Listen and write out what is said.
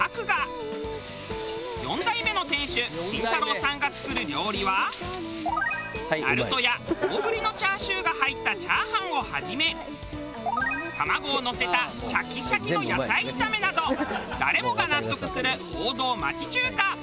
４代目の店主慎太郎さんが作る料理はなるとや大ぶりのチャーシューが入ったチャーハンをはじめ玉子をのせたシャキシャキの野菜炒めなど誰もが納得する王道町中華。